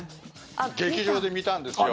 劇場で見たんですよ。